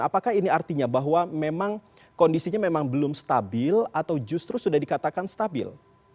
apakah ini artinya bahwa memang kondisinya memang belum stabil atau justru sudah dikatakan stabil